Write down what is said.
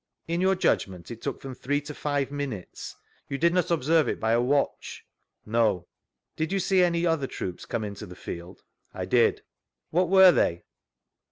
In your judgment it took from three to five minutes ? You did not observe it by a watch 9 — Na Did you s«e any other troops come into the field ? I did. What were they?